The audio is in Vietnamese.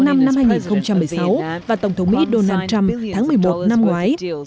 năm hai nghìn một mươi sáu và tổng thống mỹ donald trump tháng một mươi một năm ngoái